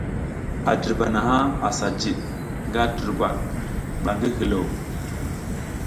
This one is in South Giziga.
A dirba naha asa jid nga durgwad ɓa ngi hilo.